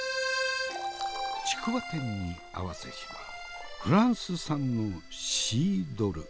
竹輪天に合わせしはフランス産のシードル。